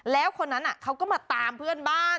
แล้วคนนั้นเขาก็มาตามเพื่อนบ้าน